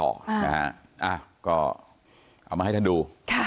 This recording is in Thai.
ก็ก็เอามาให้ดู